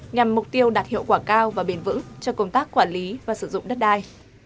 nhằm mục tiêu đạt hiệu quả cao và bền vững cho công tác quản lý và sử dụng đất đai